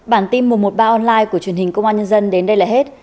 bản tin mùa một ba online của truyền hình công an nhân dân đến đây là hết